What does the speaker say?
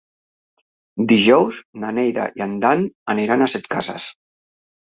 Dijous na Neida i en Dan aniran a Setcases.